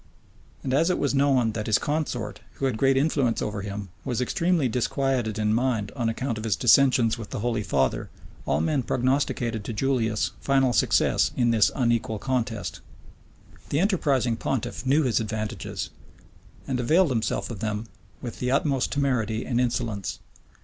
And as it was known that his consort, who had great influence over him, was extremely disquieted in mind on account of his dissensions with the holy father, all men prognosticated to Julius final success in this unequal contest. The enterprising pontiff knew his advantages, and availed himself of them with the utmost temerity and insolence.